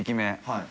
はい。